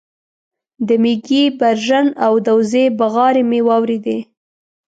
د مېږې برژن او د وزې بغارې مې واورېدې